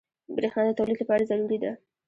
بریښنا د تولید لپاره ضروري ده.